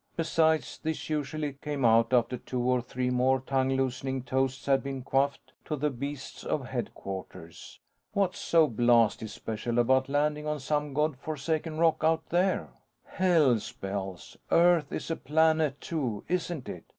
"Besides" this usually came out after two or three more tongue loosening toasts had been quaffed to the beasts of Headquarters "what's so blasted special about landing on some God forsaken rock out there? "Hell's bells! Earth is a planet too, isn't it?